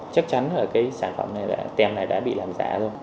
chắc chắn là cái sản phẩm này là tem này đã bị làm giả rồi